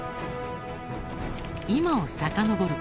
今をさかのぼる事